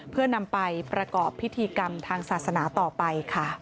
เพื่อนำไปประกอบพิธีกรรมทางศาสนาต่อไปค่ะ